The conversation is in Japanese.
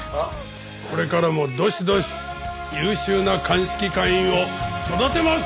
これからもどしどし優秀な鑑識課員を育てます！